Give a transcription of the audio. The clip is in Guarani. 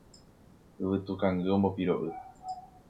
Yvytukangy ombopiro'y